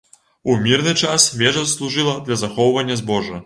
У мірны час вежа служыла для захоўвання збожжа.